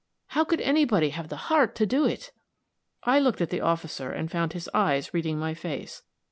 How could anybody have the heart to do it!" I looked at the officer and found his eyes reading my face.